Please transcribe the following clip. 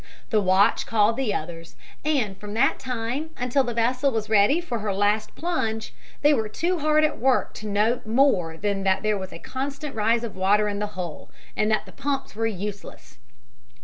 The watch called the others, and from that time until the vessel was ready for her last plunge they were too hard at work to note more than that there was a constant rise of water in the hull, and that the pumps were useless.